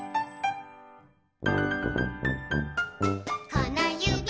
「このゆび